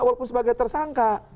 walaupun sebagai tersangka